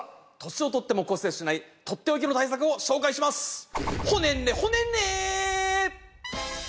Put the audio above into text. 年を取っても骨折しないとっておきの対策を紹介しますほねんねほねんね！